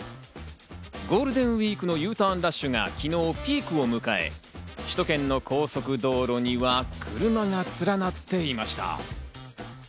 ゴールデンウイークのＵターンラッシュが昨日ピークを迎え、首都圏の高速道路には車が連なっていました。